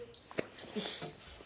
よし。